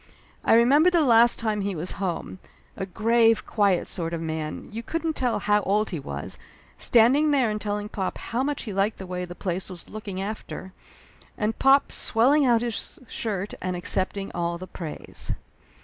I remembered the last time he was Laughter Limited 43 home, a grave, quiet sort of man, you couldn't tell how old he was, standing there and telling pop how much he liked the way the place was looked after, and pop swelling out his shirt and accepting all the praise.